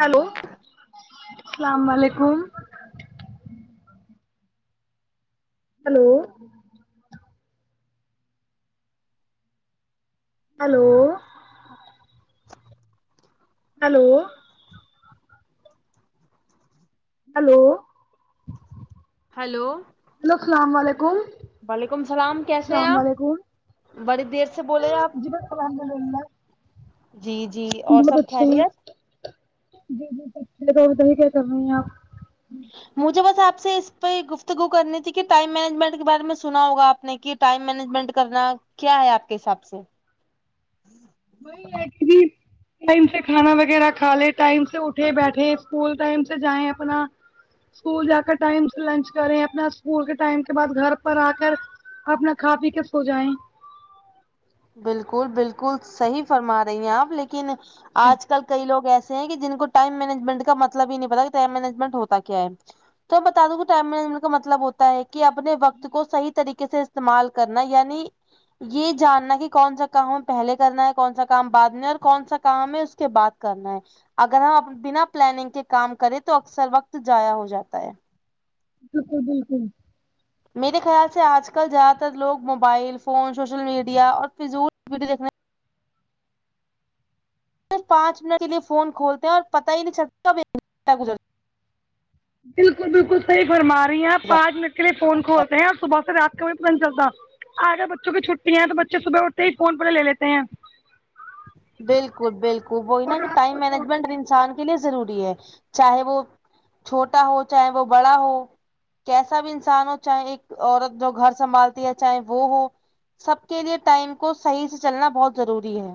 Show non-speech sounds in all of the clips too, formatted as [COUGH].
hello السلام وعلیکم hello hello hello hello hello hello سلام وعلیکم وعلیکم السلام کیسے ہیں سلام آپ وعلیکم بڑی دیر سے بولے آپ جی بس الحمد اللہ جی جی اور سب ہیں خیریت جی جی پچھے بتاے کیا کریں ہیں آپ مجھے بس آپ سے اس پہ گفتگو کرنی تھی کہ ٹائم مینجمنٹ کے بارے میں سنا ہوگا آپ نے کہ ٹائم مینجمنٹ کرنا کیا ہے آپ کے حساب سے وہ ہے ٹائم سے کھانا وغیرہ کھا لے ٹائم سے اٹھے بیٹھے اسکول ٹائم سے جائیں اپنا اسکول جا کر ٹائم سے لنچ کریں اپنا اسکول کے ٹائم کے بعد گھر پر آ کر اپنا کا پيی کے سو جائیں بالکل بالکل صحی فرما رہی ہیں آپ لیکن آج کل کئی لوگ ایسے کہ جن کو ٹائم مینجمنٹ کا مطلب ہی نہیں پتا کہ ٹائم مینجمنٹ ہوتا کیا ہے تو بتا دوں کہ ٹائم مینیجمنٹ کا مطلب ہو ہے کہ اپنے وقت کو صحیح طریقے سے استعمال کرنا یعنی یہ جاننا کہ کون سا کام ہے پہلے کرنا ہے کون سا کام بعد میں اور کون سا کام ہے اس کے بعد کرنا ہے اگر ہم بنا پلاننگ کے کام کریں تو اکثر وقت زاہیہ ہو جاتا ہے بالکل بالکل میرے خیال سے آج کل زیادہ تر لوگ موبائل فون سوشل میڈیا اور فضول ویڈیو دیکھنے صرف پانچ منٹ کے لیے فون کھولتے ہیں اور پتا ہی نہیں چلتا کب ایک گھٹہ گزرتا بالکل بالکل صحی فرما رہی ہیں آپ جاتا ہے پانچ منٹ کے لیے فون کھولتے ہیں اور صبح سے رات کو میں نہیں چلتا اگر بچوں کی چھٹی ہیں تو بچے صبح اٹتے ہی فون پہلے لے لیتے ہیں بالکل بالکل وہی اور ن کہ رات کو ٹائم چھوڑتے مینجمنٹ ہیں انسان کے لیے ضروری ہے چاہے وہ چھوٹا ہو چاہے وہ بڑا ہو کیسا بھی انسان ہو چاہے ایک عورت جو گھر سنبھالتی ہے چاہے وہ ہو سب کے لیے ٹائم کو صحیح سے چلنا بہت ضروری ہے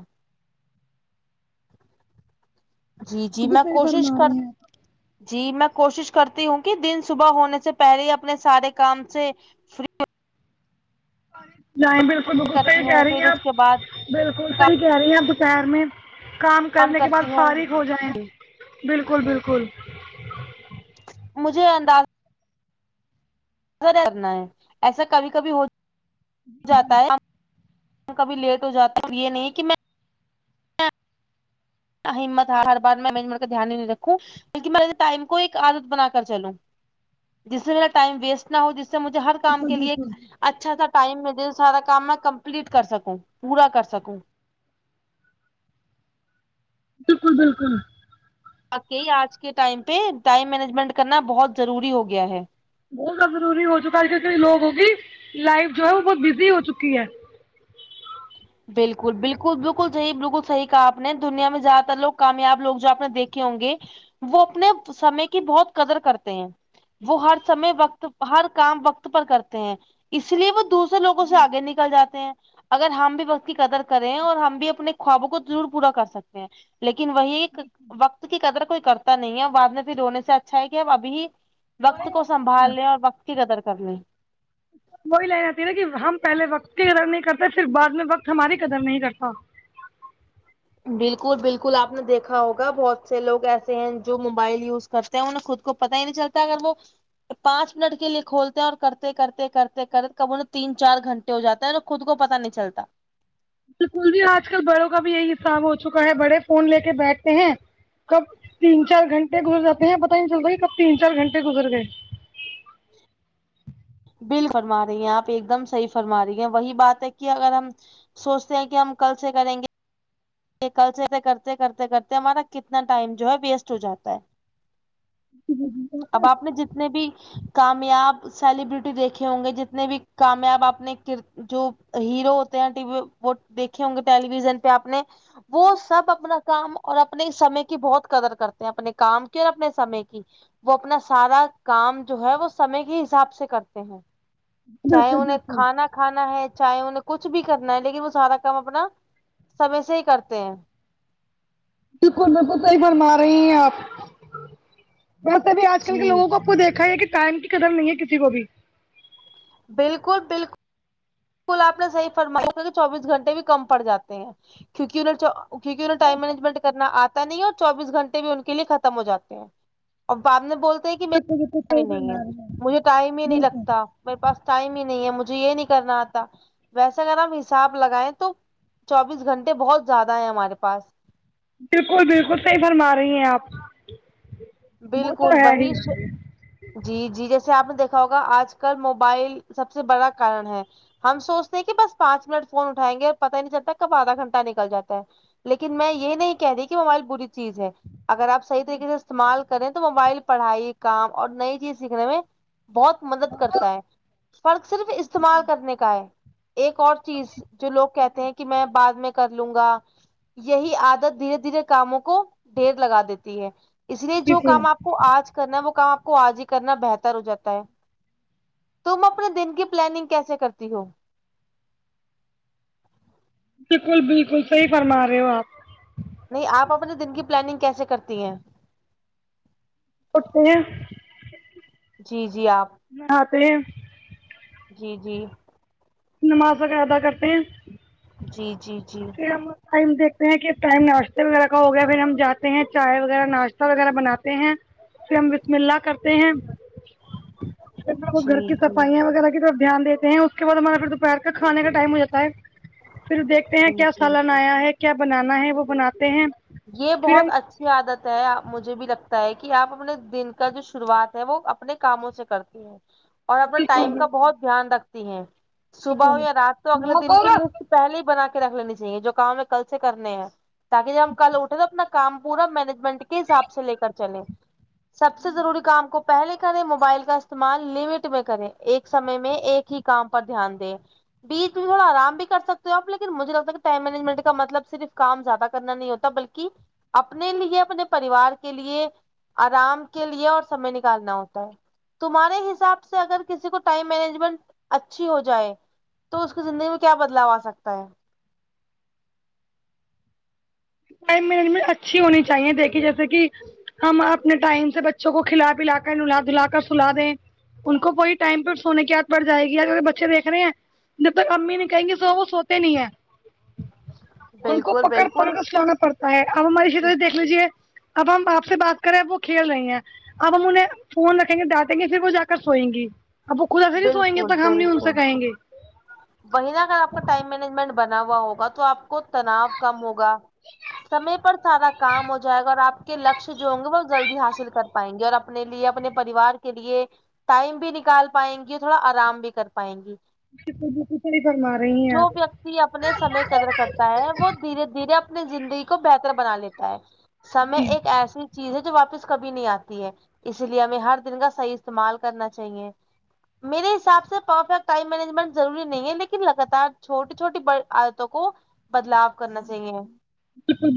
جی جی بالکل میں صحیح کوشش فرما کر رہے ہیں جی میں کوشش کرتی ہوں کہ دن صبح ہونے سے پہلے اپنے سارے کام سے فری نہیں بالکل بالکل کرتی صحیح کہہ ہوں رہی پھر ہیں اس کے بعد آپ بالکل صحیح کہہ رہی ہیں آپ دوپہر میں کام کرنے کے کرتی بعد ہوں فارغ ہو جائیں بالکل بالکل مجھے انداز کرنا ہے ایسا کبھی کبھی ہو جاتا ہے کبھی لیٹ ہو جاتا ہوں یہ نہیں کہ میں ہمت ہے ہرار میںجمنٹ کا دھیان ہی نہیں رکھوں بلکہ میں ٹائم کو ایک عادت بنا کر چلوں جس سے میرا ٹائم ویسٹ نہ ہو جس سے مجھے ہر کام بالکل کے لیے بالکل اچھا سا ٹائم میں سارا کام میں کمپلیٹ کر سکوں پورا کر سکوں بالکل بالکل آج کے ٹائم پہ ٹائم مینجمنٹ کرنا بہت ضروری ہو گیا ہے بہت ز ضروری ہو چکا ہے ک لوگوںگی لائف جو ہے وہ بہت بزی ہو چکی ہے بالکل بالکل بالکل صحیح بالکل صحیح کہا آپ نے دنیا میں زیادہ تر لو کامیاب لوگ جو آپ نے دیکھے ہوں گے وہ اپنے سمے کی بہت قدر کرتے ہیں وہ ہر سمے وقت ہر کام وقت پر کرتے ہیں اس لیے وہ دوسرے لوگوں سے آگے نکل جاتے ہیں اگر ہم بھی وقت کی قدر کرے ہیں اور ہم بھی اپنے خوابوں کو ضرور پورا کر سکتے ہیں لیکن وہی وقت کی قدر کوئی کرتا نہیں ہے بعد میں پھر رونے سے اچھا ہے کہ ابھی ہی وقت کو ہے سنبھال لیں اور وقت کی قدر کر لے وہی لے جاتتی نا کہ ہم پہلے وقت کی قدر نہیں کرتے پر بعد میں وقت ہماری قدر نہیں کرتا بالکل بالکل آپ نے دیکھا ہوگا بہت سے لوگ ایسے ہیں جو موبائل یوز کرتے ہیں انہیں خود کو پتاہ ہی نہیں چلتا اگر وہ پانچ منٹ کے لیے کھولتے ہیں اور کرتے کرتے کرتے کرتے کب انیں تین چار گھنٹے ہو جاتا ہے ن خود کو پتا نہیں چلتا بالکل بھیی آج کل بڑوں کا بھی یہی حساب ہو چکا ہے بڑے فون لے کے بیٹھتے ہیں کب تین چار گھنٹے گزر جے ہیں پت ہی نہیں چلتا کب تین چار گھنٹے گزر گئے بل فرما رہی ہیں آپ ایک دم صحیح فرما رہی ہیں وہی بات ہے کہ اگر ہم سوچتے ہیں کہ ہم کل سے کریں گے یہ کل سے کرتے کرتے کرتے ہمارا کتنا ٹائم جو ہے ویسٹ ہو جاتا ہے جی اب آپ نے جتنے بھی کامیاب سیلیبریٹی دیکھے ہوں گے جتنے بھی کامیاب اپنے کر جو ہیرو ہوتے ہیں ٹی وی وہ دیکھے ہوں گے ٹیلی ویژن پہ آپ نے وہ سب اپنا کام اور اپنے سمے کی بہت قدر کرتے ہیں اپنے کام کی اور اپنے سمے کی وہ اپنا سارا کام جو ہے وہ سمے کے حساب سے کرتے ہیں چاہے بالکل انہیں کھانا کھانا ہے چاہے انہیں کچھ بھی کرنا ہے لیکن وہ سارا کام اپنا سمے سے ہی کرتے ہیں بالکل بالکل کو صحیح بنوا رہی ہیں آپ ویسے بھی آج کل کے جی لووں کو آپ کو دیکھا ہے کہ ٹائم کی قدم نہیں ہے کسی کو بھی بالکل بالکل الکل آپ نے صحی فرمایا چوبیس گھنٹے بھی کم پڑ جاتے ہیں کیوںکہ انہیں کیونکہ انھ ٹائم بالکل مینجمنٹ کرنا تا نہیں ہو اور چوبیس گھٹے بھی ان کے لیے ختم ہو جاتے ہیں اور باپ نے بولت تے بالکل کہ صحیح نہیں فرما رہی ہیں مجھے ٹائم ہی نہیں بالکل لگتا میرے پاس ٹائم ہی نہیں ہے مجھے یہ نہیں کرنا آتا ویسے اگر ہم حساب لگائیں تو چوبیس گھنٹے بہت زیادہ ہے ہمارے پاس بالکل بالکل صیح فرما رہی ہیں آپ وہ بالکل تو ہے وہی ہی جی جی جیسے آپ نے دیکھا ہوگا آج کل موبائل سب سے بڑا کارن ہے ہم سوچتے ہیں کہ بس پانچ منٹ فون اٹھائیں گے اور پت ہی نہیں چلتا کب آدھا گھٹہ نکل جاتا ہے لیکن میں یہ نہیں کہہ رہی کہ موبائل بری چیز ہے اگر آپ صحیح طریقے سے استعمال کریں تو موبائل پڑھائی کام اور نئی چیز سیکھنے میں بہت مدد کرتا ہے فرق صرف استعمال کرنے کا ہے ایک اور چیز جو لوگ کہتے ہیں کہ میں بعد میں کر لوں گا یہی عادت دھیرے دھیرے کاموں کو ڈھیر لگا دیتی ہے اس لیے جو بالکل کام آپ کو آج کرنا ہے وہ کام آپ کو آج ہی کرنا بہتر ہو جاتا ہے تم اپنے دن کی پلاننگ کیسے کرتی ہو بالکل بالکل صحیح فرما رہے ہو آپ نہیں آپ اپنے دن کی پلاننگ کیسے کرتی ہیں اٹھتے ہیں جی جی آپ نہتے ہے جی جی نماز وغیرہ ادا کرتے ہیں جی جی جی پھر ہم ٹائم دیکتے ہیں کہ ٹائم ناشتے وغیرہ کا ہو گیا ہے پھر ہم جاتے ہیں چائے وغیرہ ناشتے وغیرہ بناتے ہیں پھر ہم بسم اللہ کرتے ہیں پھر وہ گھر جی کی صفائیاں وغیرہ کی دھیان دیتے ہیں اس کے بعد ہمارا پھر دوپہر کا کھانے کا ٹائم ہو جاتا ہے پھر دیکھتے ہیں جی جی بنایا ہے کیا بنانا ہے وہ بناتے ہیں یہ پھر بہت ہم اچھا عادت ہے مجھے بھی لگتا ہے کہ آپ اپنے دن کا جو شروعات ہے وہ اپنے کاموں سے کرتے ای اور اپنا ٹائم کا بہت دھیان رکھتی ہیں صبح ہو یا رات تو اگلے دن کی لسٹ پہلے ہی بنا کے رکھ لینی چاہیے جو کام ہمیں کل سے کرنے ہیں تاکہ جب ہم کل اٹھے تو اپنا کام پورا مینجمنٹ کے حساب سے لے کر چلے سب سے ضروری کام کو پہلے کریں موبائل کا استعمال لمٹ میں کریں ایک سمے میں ایک ہی کام پر دھیان دیں بیچ میں تھوڑا آرام بھی کر سکتے ہو آپ لیکن مجھے لگتا ہے کہ ٹائم مینجمنٹ کا مطلب صرف کام زیادہ کرنا نہیں ہو تا بلکہ اپنے لیے اپنے پریوار کے لیے آرام کے لیے اور سمے نکالنا ہوتا ہے تمہارے حساب سے اگر کسی کو ٹائم مینجمنٹ اچھی ہو جائے تو اس کی زندگی میں کیا بدلاؤ آ سکتا ہے ٹائم مینجمنٹ اچھی ہونی چاہیے دیکھیے جیسے کی ہم اپنے ٹائم سے بچوں کو کھلا پلا کر نھلا دھلا کر سلا دیں ان کو کوئی ٹائم پہ سونے کی یاد پڑ جائے گی اگر بچے دیکھ رہے ہیں جب تک امی نہیں کہیں گی سو وہ سوتے نہیں ہے ان کو بالکل پکڑ پکڑ بالکل کر نا پڑتا ہے اب ہماری شکل دیکھ لیجیے اب ہم آپ سے بات کر رہے ہیں اب وہ کھیل رہے ہیں اب ہم انہیں فون رکھیں گے ڈانٹیں گے پھر وہ جا کر سوئیں گی اب وہ خودایسے نہیں سوئ گے بالکل تک ہم نہیں ان سے بالکل کہیں گے وہی نہ اگر آپ کا ٹائم مینجمنٹ بنا ہوا ہوگا تو آپ کو تناؤ کم ہوگا سمے پر سارا کام ہو جائے گا اور آپ کے لکش جو ہوں گے وہ جلدی حاصل کر پائیں گے اور اپنے لیے اپنے پریوار کے لیے ٹائم بھی نکال پائیں گی اور تھوڑا آرام بھی کر پائیں گی [INAUDIBLE] جو ویکتی اپنے سمے قدر کرت تا ہے وہ دھیرے دھیرے اپنی زندگی کو بہتر بنا لیتا ہے سمے جی ایک بالکل ایسی چیز ہے جو واپس کبھی نہیں آتی ہے اسی لیے ہمیں ہر دن کا صحیح استعمال کرنا چاہیے میرے حساب سے پرفیکٹ ٹائم مینجمنٹ ضروری نہیں ہے لیکن لگاتار چھوٹی چھوٹی بری عادتوں کو بدلاؤ کرنا چاہیے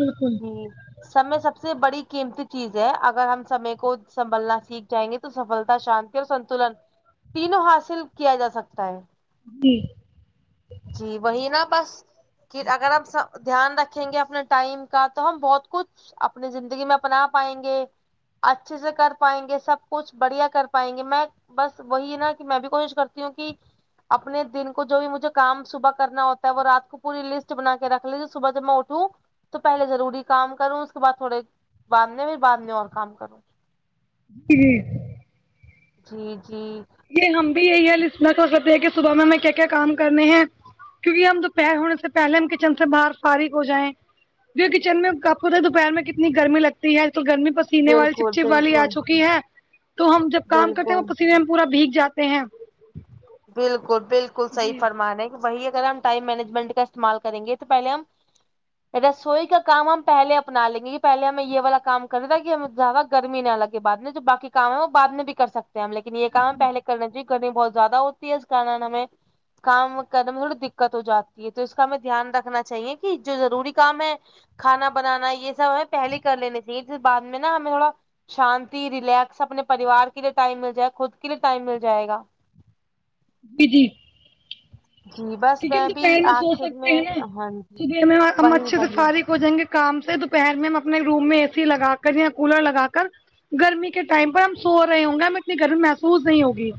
بالکل جی سمے سب سے بڑی قیمتی چیز ہے اگر ہم سمے کو سنبھلنا سیکھ جائیں گے تو سفلتا شانتی اور سنتولن تینوں حاصل کیا جا سکتا ہے جی جی وہی نا بس کی اگر ہم سب دھیان رکھیں گے اپنے ٹائم کا تو ہم بہت کچھ اپنی زندگی میں اپنا پائیں گے اچھے سے کر پائیں گے سب کچھ بڑھیا کر پائیں گے میں بس وہی نا کہ میں بھی کوشش کرتی ہوں کہ اپنے دن کو جو بھی مجھے کام صبح کرنا ہوتا ہے وہ رات پوری لسٹ بنا کے رکھ لی صبح جب میں اٹھوں تو پہلے ضروری کام کروں اس کے بعد تھوڑے بعد میں بھی بعد میں اور کام کروں ہاں جی جی ہم بھی یہی ہے لسٹ میں دیکھ کہ صبح میں ہمیں کیا کیا کام کرنے ہیں کیونک ہم دوپہر ہونے سے پہلے ہم کچن سے باہر فارغ ہو جائیں کچن میں آپ کو دوپہر میں کتنی گرمی لگ ہےتو گرمی پسینے والی چپ بالکل چپ والی آ بالکل چکی ہے تو ہم جب کام کرتے ہیں وہ بالکل پسینے پورا بھیگ جاتے ہیں بلکل بلکل صحیح فرمارہی وہی اگر ہم ٹائم مینجمنٹ کا استعمال کریں گے تو پہلے ہم رسوئی کا کام ہم پہلے اپنا لیں گے کہ پہلے ہمیں یہ والا کام کرنا تھا کہ ہم زیادہ گرمی نہ لگے بعد میں جو باقی کام ہے وہ بعد میں بھی کر سکتے ہم لیکن یہ کام پہلے کرنا چاہیے گرمی بہت زیادہ ہوتی ہے اس کارن ہمیں کام کرنے میں تھوڑی دقت ہو جاتی ہے تو اس کا ہمیں دھیان رکھنا چاہیے کہ جو ضروری کام ہے کھانا بنانا یہ سب ہمیں پہلے کر لینے چاہیے پھر بعد میں نا ہمیں تھوڑا شانتی ریلیکس اپنے پریوار کے لیے ٹائم مل جائے خود کے لیے ٹائم مل جائے گا ج جی جی بس کیونیکہ ہم تو بھی پیر میں سو آخر سکتے میں ہیں نا ہاں جی صبح ہم وہی اچھے سے وہی فارغ ہو جائیں گے کام سے دوپہر میں ہم اپنے روم میں اے سی لگا کر یا کولر لگا کر گرمی کے ٹائم پر ہم سو رہے ہوں گے ہم اتنی گرمی محسوس نہیں ہوگی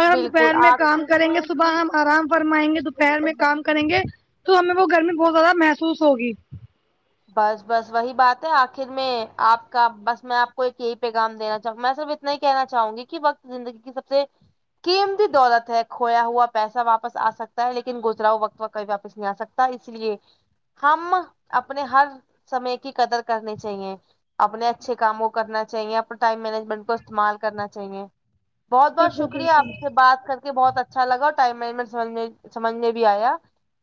اور ہم بالکل دوپہر میں کام آخر کریں گے میں صبح جی ہم آرام فرمائیں گے دوپہر میں کام کریں گے تو ہمیں وہ گرمی بہت زیادہ محسوس ہوگی بس بس وہی بات ہے آخر میں آپ کا بس میں آپ کو ایک یہی پیغام دینا چاہوں گا میں صرف ات میں کہنا چاہوں گی کہ وقت زندگی کی سب سے قمتی دولت ہے کھویا ہوا پیسہ واپس آ سکتا ہے لیکن گزراؤ وقت کب واپس نہیں آ سکتا اس ہم اپنے ہر سمے کی قدر کرنی چاہیے اپنے اچھے کام کو کرنا چاہیے اپنا ٹائم مینجمنٹ کو استعمال کرنا چاہیے بہت بہت شکریہ آپ سے بات کر بہت اچھا لگا اور ٹائم مجمنٹ سمجھنے سمجھنے بھی آیا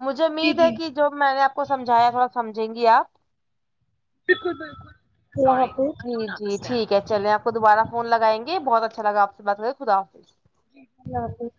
مجھے امید ہے کہ جب میں نے آپ کو سمجھایا تھوڑا سمجھیں گی آپ ساری جی ٹھیک ہے چلے آپ دوبارہ فون لگائیں گے بہت اچھاگا آپ سے بات کر کے خدافظ اللہ حافظ